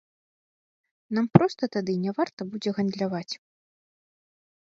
Нам проста тады няварта будзе гандляваць.